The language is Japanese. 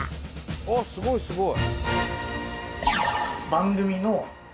あっすごいすごい！